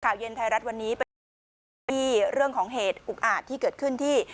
ข่าวเย็นไทยรัฐวันนี้เป็นเรื่องของเหตุอุกอาจที่เกิดขึ้นที่